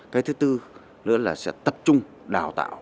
cái thứ tư nữa là sẽ tập trung đào tạo